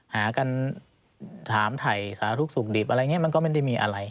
หากันถามถ่ายสารทุกข์สุขดิบอะไรอย่างนี้มันก็ไม่ได้มีอะไร